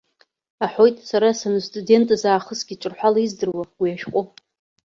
Аҳәоит, сара санстудентыз аахысгьы ҿырҳәала издыруа уи ашәҟәы.